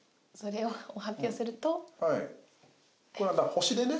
星でね